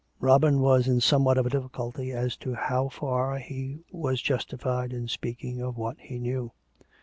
285 Robin was in somewhat of a difficulty as to how far he was justified in speaking of what he knew.